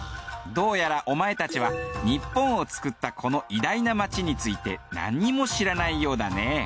どうやらお前たちはニッポンを作ったこの偉大な街についてなんにも知らないようだね。